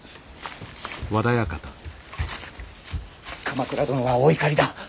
鎌倉殿はお怒りだ。